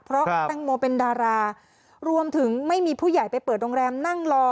เพราะแตงโมเป็นดารารวมถึงไม่มีผู้ใหญ่ไปเปิดโรงแรมนั่งรอ